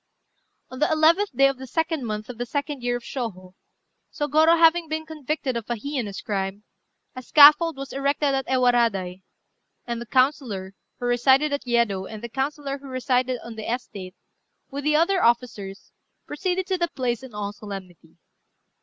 " [Footnote 64: Buddhist text.] On the 11th day of the 2d month of the 2d year of Shôhô, Sôgorô having been convicted of a heinous crime, a scaffold was erected at Ewaradai, and the councillor who resided at Yedo and the councillor who resided on the estate, with the other officers, proceeded to the place in all solemnity.